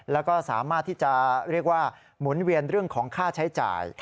แล้วก็สามารถที่จะเรียกว่าหมุนเวียนเรื่องของค่าใช้จ่าย